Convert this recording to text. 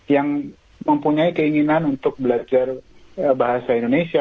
yang mempunyai keinginan untuk belajar bahasa indonesia